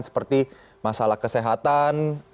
seperti masalah kesehatan